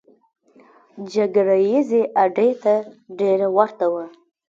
جګړه ییزې اډې ته ډېره ورته وه.